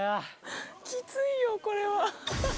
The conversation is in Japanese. きついよ、これは。